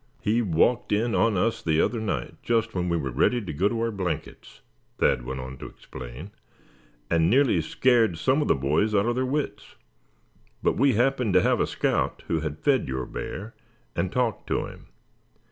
"He walked in on us the other night, just when we were ready to go to our blankets," Thad went on to explain, "and nearly scared some of the boys out of their wits. But we happened to have a scout who had fed your bear, and talked to him.